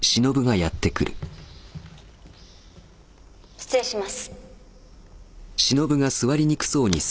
失礼します。